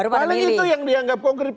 paling itu yang dianggap konkret